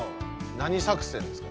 何作戦ですか？